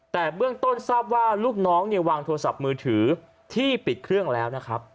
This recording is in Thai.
แต่เบื้องต้นทราบว่าลูกน้องเนี่ยวางโทรศัพท์มือถือที่ปิดเครื่องแล้วนะครับ